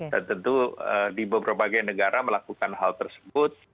dan tentu di beberapa bagian negara melakukan hal tersebut